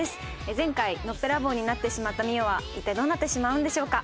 前回のっぺらぼうになってしまった澪は一体どうなってしまうんでしょうか。